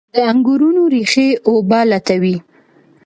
د انګورو ریښې اوبه لټوي.